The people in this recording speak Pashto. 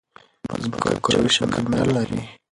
ځمکه کروی شکل نه لري.